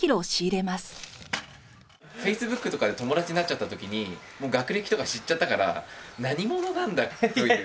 Ｆａｃｅｂｏｏｋとかで友達になっちゃったときに学歴とか知っちゃったから何者なんだ？という。